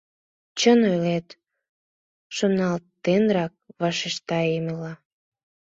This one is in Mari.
— Чын ойлет, — шоналтенрак вашешта Емела.